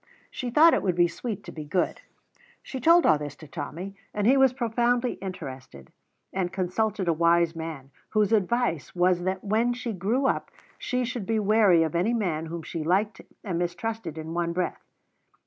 She thought it would be sweet to be good. She told all this to Tommy, and he was profoundly interested, and consulted a wise man, whose advice was that when she grew up she should be wary of any man whom she liked and mistrusted in one breath.